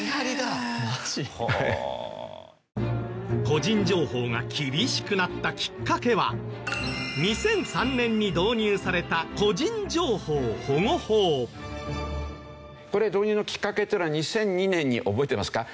個人情報が厳しくなったきっかけは２００３年に導入されたこれ導入のきっかけというのが２００２年に覚えてますか？